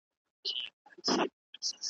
خو زه مړ یم د ژوندیو برخه خورمه ,